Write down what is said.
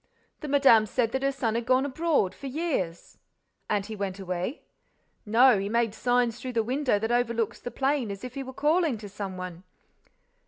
"The madame said that her son had gone abroad—for years." "And he went away?" "No, he made signs through the window that overlooks the plain—as if he were calling to some one."